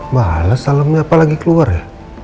bales salamnya apa lagi keluar ya